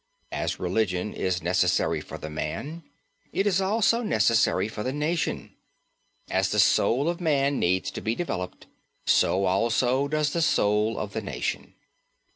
As religion is necessary for the man, it is also necessary for the nation. As the soul of man needs to be developed, so also does the soul of the nation.